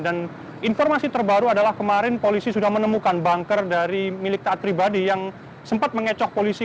dan informasi terbaru adalah kemarin polisi sudah menemukan banker dari milik taat pribadi yang sempat mengecoh polisi